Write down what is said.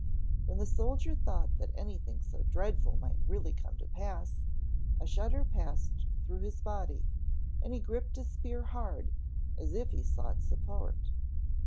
When the soldier thought that anything so dreadful might really come to pass, a shudder passed through his body, and he gripped his spear hard, as if he sought support.